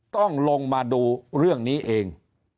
ต้องลงมาดูเรื่องนี้เอง